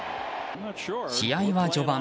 試合は序盤。